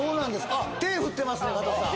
あっ手振ってますね加藤さん